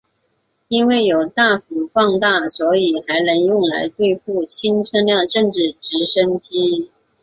因为有大幅放大所以还能用来对付轻车辆甚至直升机。